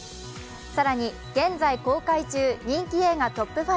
更に、現在公開中、人気映画トップ５。